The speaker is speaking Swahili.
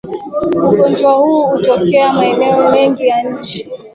Ugonjwa huu hutokea maeneo mengi ya nchi